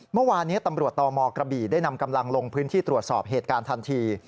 เมื่อวานนี้ตำรวจตมกระบี่ได้นำกำลังลงพื้นที่ตรวจสอบเหตุการณ์ทันที